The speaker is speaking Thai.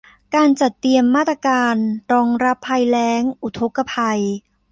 การจัดเตรียมมาตรการรองรับภัยแล้ง อุทกภัย